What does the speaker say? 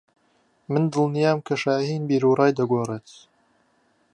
من دڵنیام کە شاھین بیروڕای دەگۆڕێت.